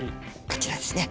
こちらですね。